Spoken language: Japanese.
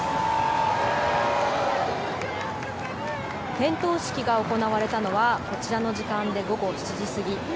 点灯式が行われたのはこちらの時間で午後７時過ぎ。